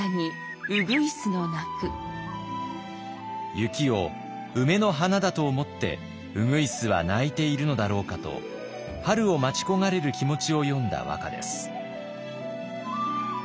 雪を梅の花だと思って鶯は鳴いているのだろうかと春を待ち焦がれる気持ちを詠んだ和歌です。